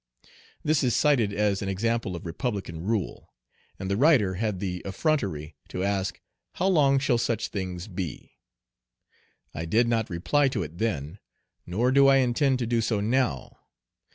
* This is cited as an example of Republican rule; and the writer had the effrontery to ask, "How long shall such things be?" I did not reply to it then, nor do I intend to do so now.